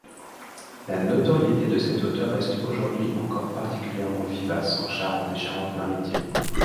La notoriété de cet auteur reste aujourd'hui encore particulièrement vivace en Charente et Charente-Maritime.